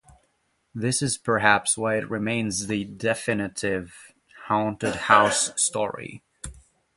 This is perhaps why it remains the definitive haunted house story.